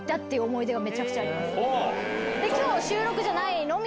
「今日収録じゃないの？」